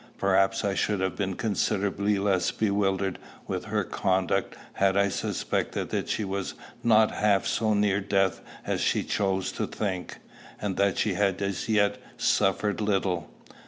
Perhaps I should have been considerably less bewildered with her conduct had I suspected that she was not half so near death as she chose to think, and that she had as yet suffered little.